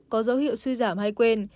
có dấu hiệu xuy giảm hay quên